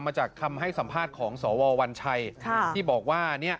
มาจากคำให้สัมภาษณ์ของสววัญชัยที่บอกว่าเนี่ย